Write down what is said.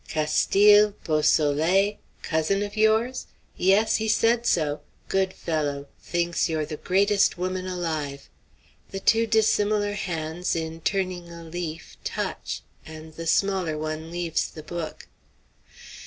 Castille, Beausoleil cousin of yours? Yes, he said so; good fellow, thinks you're the greatest woman alive." The two dissimilar hands, in turning a leaf, touch, and the smaller one leaves the book.